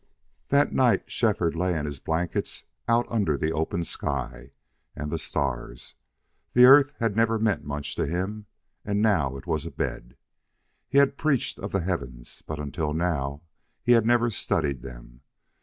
. That night Shefford lay in his blankets out under the open sky and the stars. The earth had never meant much to him, and now it was a bed. He had preached of the heavens, but until now had never studied them.